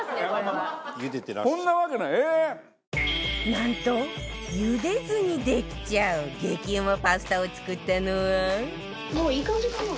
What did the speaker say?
なんと茹でずにできちゃう激うまパスタを作ったのは